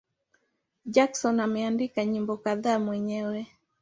Jackson ameandika nyimbo kadhaa mwenyewe.